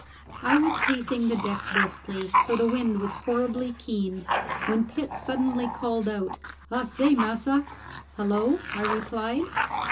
I was pacing the deck briskly, for the wind was horribly keen, when Pitt suddenly called out, "I say, massa!" "Hullo," I replied.